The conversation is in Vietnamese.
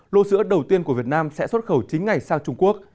lô sữa đầu tiên của việt nam sẽ xuất khẩu chính ngày sang trung quốc